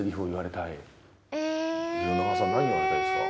弘中さん何言われたいですか？